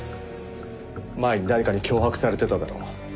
前に誰かに脅迫されてただろ？